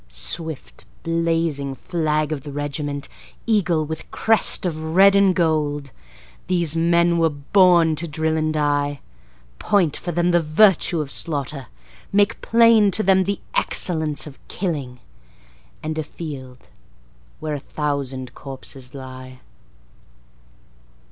Swift blazing flag of the regiment, Eagle with crest of red and gold, These men were born to drill and die. Point for them the virtue of slaughter, Make plain to them the excellence of killing And a field where a thousand corpses lie.